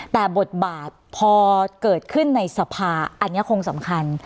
แต่บทบาทพอเกิดขึ้นในสภาอันนี้คงสำคัญ